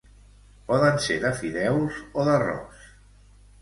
Poden ser de fideus o d'arròs